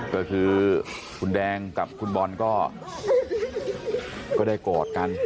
ก็คือคุณแดงกับคุณบอลก็ได้กอดกัน